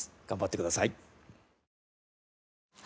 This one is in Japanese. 頑張ってください。